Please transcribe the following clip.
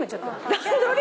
段取り。